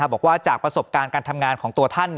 บอกว่าจากประสบการณ์การทำงานของตัวท่าน